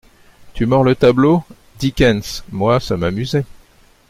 Tu mords le tableau ? Dickens ! Moi, ça m’amusait.